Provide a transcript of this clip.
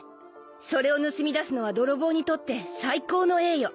それを盗み出すのは泥棒にとって最高の栄誉。